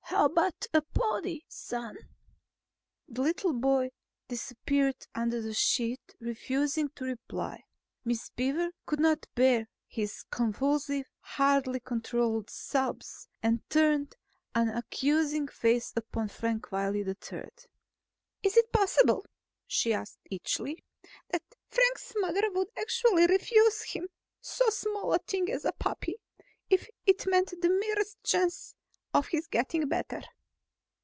How about a pony, son?" The little boy disappeared under the sheet, refusing to reply. Miss Beaver could not bear his convulsive, hardly controlled sobs, and turned an accusing face upon Frank Wiley III. "Is it possible," she asked icily, "that Frank's mother would actually refuse him so small a thing as a puppy, if it meant the merest chance of his getting better?"